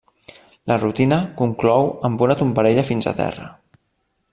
La rutina conclou amb una tombarella fins a terra.